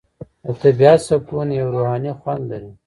د طبیعت سکون یو روحاني خوند لري.